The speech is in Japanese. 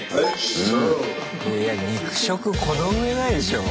いや肉食このうえないでしょう